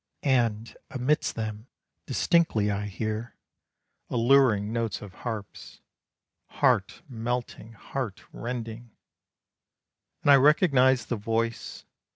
And amidst them, distinctly I hear Alluring notes of harps, Heart melting, heart rending, And I recognize the voice.